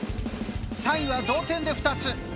３位は同点で２つ。